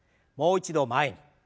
もう一度前に。